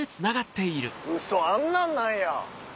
ウソあんなんなんや！